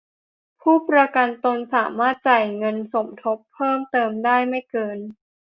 ผู้ประกันตนสามารถจ่ายเงินสมทบเพิ่มเติมได้ไม่เกิน